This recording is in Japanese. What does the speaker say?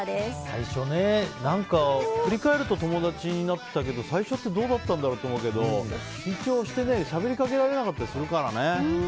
最初ね振り返ると友達になったけど最初ってどうだったんだろうって思うけど緊張してしゃべりかけられなかったりするからね。